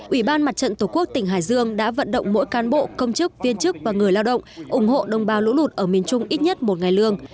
ủy ban mặt trận tổ quốc tỉnh hải dương đã vận động mỗi cán bộ công chức viên chức và người lao động ủng hộ đồng bào lũ lụt ở miền trung ít nhất một ngày lương